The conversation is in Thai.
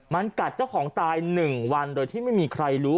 มันกัดเจ้าของตาย๑วันโดยที่ไม่มีใครรู้